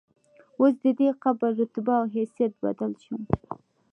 اوس ددې قبر رتبه او حیثیت بدل شو.